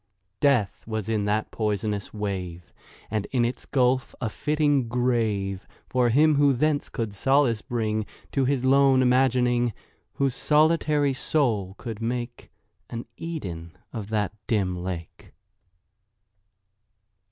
Death was in that poisonous wave, And in its gulf a fitting grave For him who thence could solace bring To his lone imagining— Whose solitary soul could make An Eden of that dim lake.